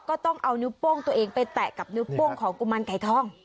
ก็ต้องเอานิ้วโป้งตัวเองไปแตะกับนิ้วโป้งของกุมารไก่ทอง